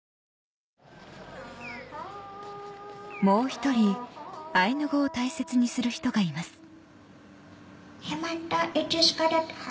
もう１人アイヌ語を大切にする人がいます